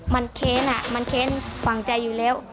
มันแค้นอ่ะมันแค้นฝั่งใจอยู่แล้ว